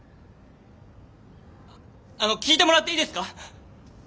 あの聞いてもらっていいですか？